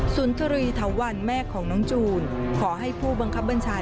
นทรีเถาวันแม่ของน้องจูนขอให้ผู้บังคับบัญชา